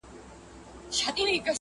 په میراث یې عقل وړی له خپل پلار وو!.